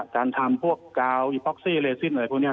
การทำพวกกาวอีป๊อกซี่เลซินอะไรพวกนี้